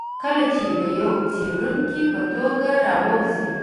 کله چې د یوه څېړونکي په توګه راووځي.